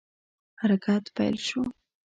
حرکت پیل شو.